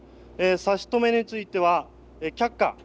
差し止めについては却下。